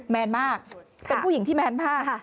แมนมากเป็นผู้หญิงที่แมนมาก